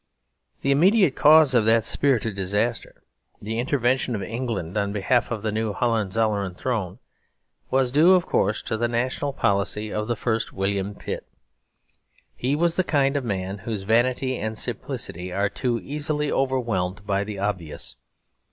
The immediate cause of that spirited disaster, the intervention of England on behalf of the new Hohenzollern throne, was due, of course, to the national policy of the first William Pitt. He was the kind of man whose vanity and simplicity are too easily overwhelmed by the obvious.